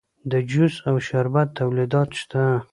د جوس او شربت تولیدات شته